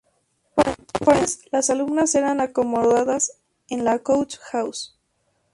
Por entonces, las alumnas eran acomodadas en la "Coach House".